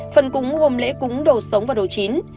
phần cúng gồm lễ cúng đồ sống và đồ chín